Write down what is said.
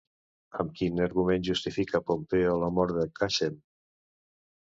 Amb quin argument justifica Pompeo la mort de Qassem?